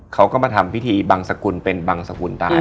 เขาก็มาทำพิธีบังสกุลเป็นบังสกุลตาย